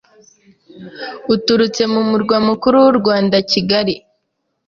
uturutse mu murwa mukuru w’u Rwanda Kigali.